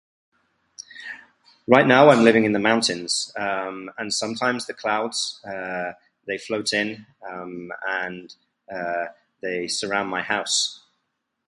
Right now I'm living in the mountains, um, and sometimes the clouds, uh, they float in, um, and, uh, they surround my house.